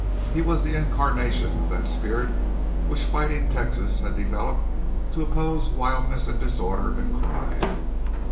He was the incarnation of that spirit which fighting Texas had developed to oppose wildness and disorder and crime.